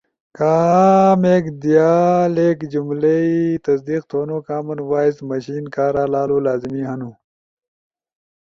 کامیک دیالیک جملئی تصدیق تھونو کامن وائس مشن کارا لالو لازمی ہنو،